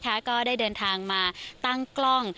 ก็ได้เดินทางมาตั้งกล้อง